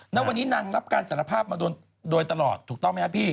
แล้ววันนี้นางรับการสารภาพมาโดยตลอดถูกต้องไหมครับพี่